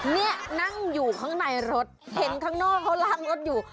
นี่นั่งอยู่ข้างในรถเห็นข้างนอกเขาล้างรถอยู่